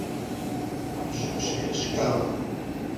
ئەم شووشەیە شکاوە.